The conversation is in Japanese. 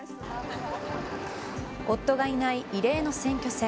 夫がいない異例の選挙戦。